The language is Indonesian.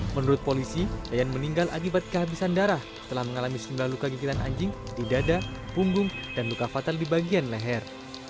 menurut polisi yayan meninggal akibat kehabisan darah setelah mengalami sejumlah luka gigitan anjing di dada punggung dan luka fatal di bagian leher